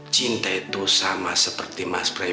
cinta itu sama seperti mas bram